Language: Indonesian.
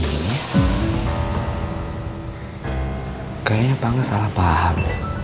kayaknya pa engga salah paham